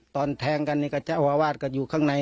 ตอนแทงกันนี่ก็เจ้าอาวาสก็อยู่ข้างใน